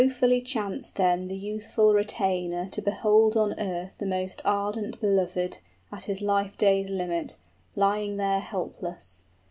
} It had wofully chanced then the youthful retainer To behold on earth the most ardent belovèd At his life days' limit, lying there helpless.